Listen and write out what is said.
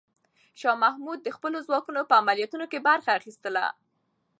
شاه محمود د خپلو ځواکونو په عملیاتو کې برخه اخیستله.